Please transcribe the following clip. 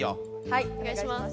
はいおねがいします。